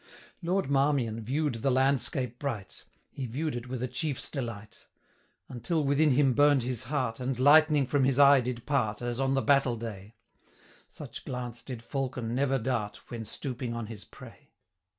Lord Marmion view'd the landscape bright, He view'd it with a chiefs delight, 580 Until within him burn'd his heart, And lightning from his eye did part, As on the battle day; Such glance did falcon never dart, When stooping on his prey.